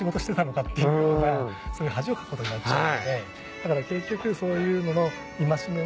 だから結局そういうのの。